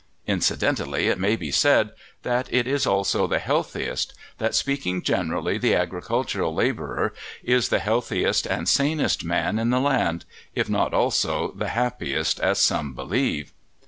Incidentally it may be said that it is also the healthiest, that, speaking generally, the agricultural labourer is the healthiest and sanest man in the land, if not also the happiest, as some believe.